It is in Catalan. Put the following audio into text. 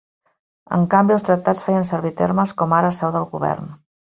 En canvi, els tractats feien servir termes com ara seu del govern.